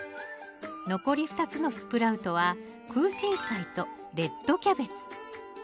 残り２つのスプラウトはクウシンサイとレッドキャベツ。